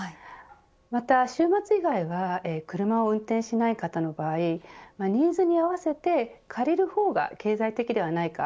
また週末以外は車を運転しない方の場合ニーズに合わせて借りる方が経済的ではないか。